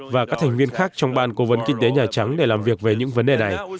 và các thành viên khác trong ban cố vấn kinh tế nhà trắng để làm việc về những vấn đề này